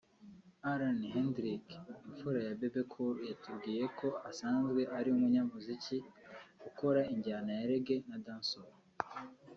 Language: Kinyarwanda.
Allan Hendrik imfura ya Bebe Cool yatubwiye ko asanzwe ari umunyamuziki ukora injyana ya Reggae na Dancehall